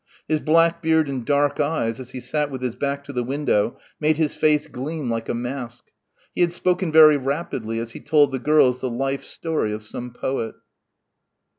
His black beard and dark eyes as he sat with his back to the window made his face gleam like a mask. He had spoken very rapidly as he told the girls the life story of some poet.